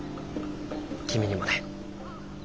君にもね。